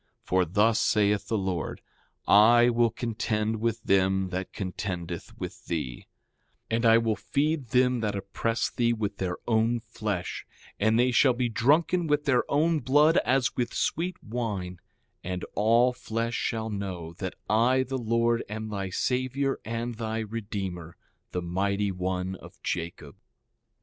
For thus saith the Lord: I will contend with them that contendeth with thee— 6:18 And I will feed them that oppress thee, with their own flesh; and they shall be drunken with their own blood as with sweet wine; and all flesh shall know that I the Lord am thy Savior and thy Redeemer, the Mighty One of Jacob.